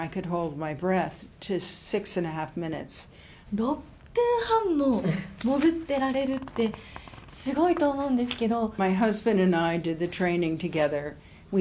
６分半も潜ってられるって、すごいと思うんですけれども。